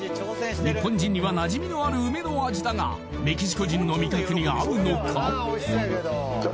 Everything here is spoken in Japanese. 日本人にはなじみのある梅の味だがメキシコ人の味覚に合うのか？